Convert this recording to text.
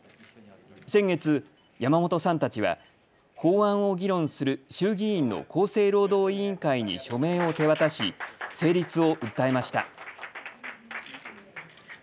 先月、山本さんたちは法案を議論する衆議院の厚生労働委員会に署名を手渡し成立を訴えました。